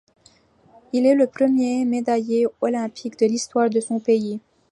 Il est le premier médaillé olympique de l'histoire de son pays.